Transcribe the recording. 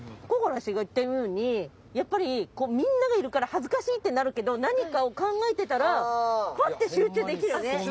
ここな氏が言ったようにやっぱりみんながいるから恥ずかしいってなるけど何かを考えてたらパッて集中できるね。